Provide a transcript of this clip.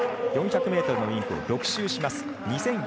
４００ｍリンクを６周します。